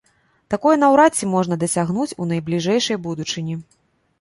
Такое наўрад ці можна дасягнуць у найбліжэйшай будучыні.